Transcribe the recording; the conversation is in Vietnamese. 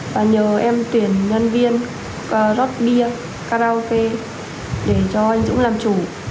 và nhờ em tuyển nhân viên rót bia karaoke để cho anh dũng làm chủ